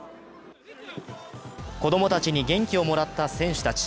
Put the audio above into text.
子供たちに元気をもらった選手たち。